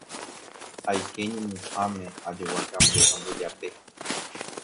Aike ñemuhãme, ajogua kamby ha mbujape.